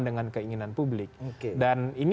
dengan keinginan publik dan ini